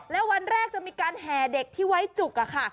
แล้ววันแรกจะมีการแห่เด็กที่ไว้จุกอะค่ะ